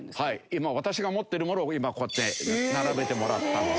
今私が持っているものをこうやって並べてもらったんです。